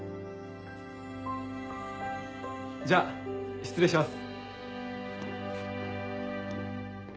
じゃあ失礼します。